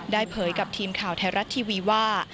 เผยกับทีมข่าวไทยรัฐทีวีว่า